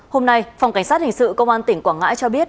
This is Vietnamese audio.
hôm nay phòng cảnh sát hình sự công an tỉnh quảng ngãi cho biết